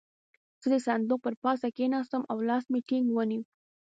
زه د صندوق پر پاسه کېناستم او لاس مې ټينګ ونيو.